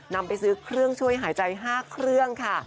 นำไปซื้อเครื่องช่วยหายใจ๕เครื่องค่ะ